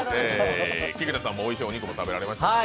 菊田さんもおいしいお肉も食べられましたしね。